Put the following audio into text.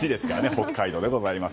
北海道でございます。